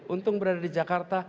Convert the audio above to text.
untung berada di jakarta